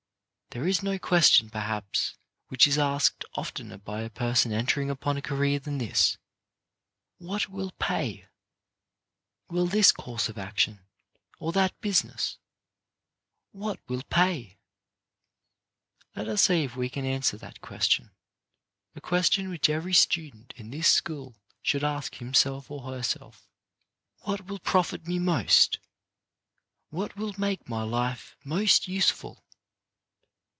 There is no question, perhaps, which is asked oftener by a person entering upon a career than this — What will pay ? Will this course of action, or that, pay ? Will it pay to enter into this busi ness or that business ? What will pay ? Let us see if we can answer that question, a question which every student in this school should ask himself or herself. What will profit me most ? What will make my life most useful